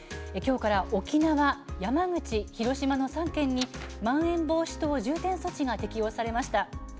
きょうから沖縄、山口、広島の３県に、まん延防止等重点措置が適用されました。